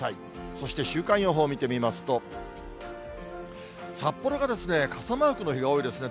そして週間予報見てみますと、札幌がですね、傘マークの日が多いですね。